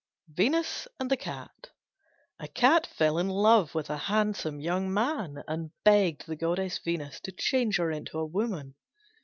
VENUS AND THE CAT A Cat fell in love with a handsome young man, and begged the goddess Venus to change her into a woman.